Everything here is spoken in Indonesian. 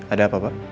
ada apa pak